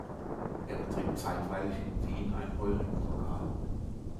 Er betrieb zeitweilig in Wien ein Heurigen-Lokal.